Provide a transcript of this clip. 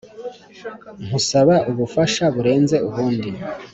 nkusaba ubufasha burenze ubundi